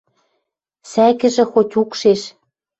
Сӓкӹжӹ хоть укшеш